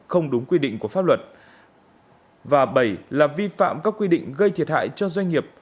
không đúng quy định của pháp luật và bảy là vi phạm các quy định gây thiệt hại cho doanh nghiệp